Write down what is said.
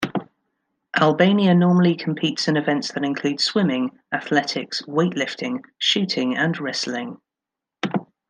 Albania normally competes in events that include swimming, athletics, weightlifting, shooting and wrestling.